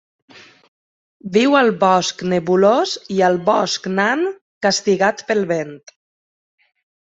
Viu al bosc nebulós i al bosc nan castigat pel vent.